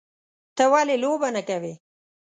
_ته ولې لوبه نه کوې؟